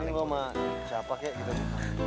ini lu sama siapa kayak gitu